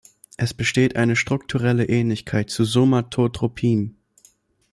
Es besteht eine strukturelle Ähnlichkeit zu Somatotropin.